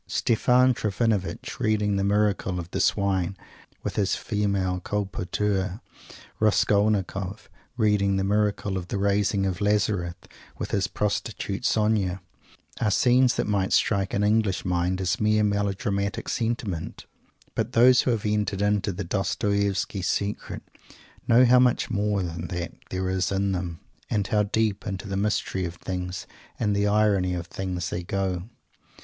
Stephan Trophinovitch reading the Miracle of the Swine with his female Colporteur; Raskolnikoff reading the Miracle of the Raising of Lazarus with his prostitute Sonia, are scenes that might strike an English mind as mere melodramatic sentiment, but those who have entered into the Dostoievsky secret know how much more than that there is in them, and how deep into the mystery of things and the irony of things they go.